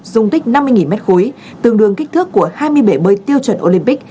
dung tích năm mươi m ba tương đương kích thước của hai mươi bể bơi tiêu chuẩn olympic